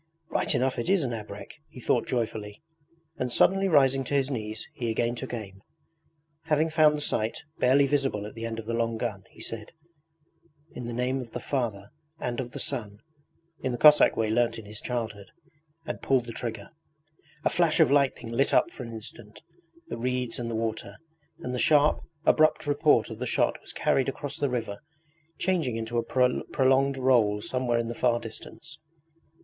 'Right enough it is an abrek! he thought joyfully, and suddenly rising to his knees he again took aim. Having found the sight, barely visible at the end of the long gun, he said: 'In the name of the Father and of the Son,' in the Cossack way learnt in his childhood, and pulled the trigger. A flash of lightning lit up for an instant the reeds and the water, and the sharp, abrupt report of the shot was carried across the river, changing into a prolonged roll somewhere in the far distance.